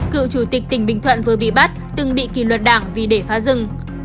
cựu chủ tịch tỉnh bình thuận vừa bị bắt từng bị kỷ luật đảng vì để phá rừng